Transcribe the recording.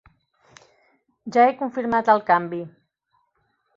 Ja he confirmat el canvi.